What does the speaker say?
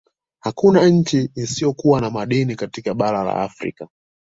Hakuna nchi isiyo kuwa na madini katika bara la Afrika